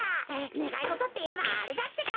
ねがいごとっていえばあれだってか。